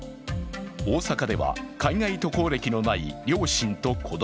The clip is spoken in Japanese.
大阪では海外渡航歴のない両親と子供。